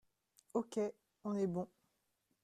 Ok, on est bon.